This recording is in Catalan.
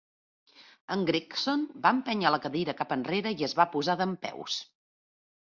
En Gregson va empènyer la cadira cap enrere i es va posar dempeus.